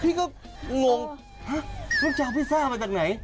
พี่ก็งงฮะแล้วจะเอาพิซซ่ามาจากไหน